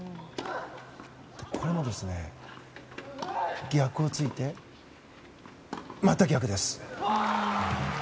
これも、逆を突いてまた逆です。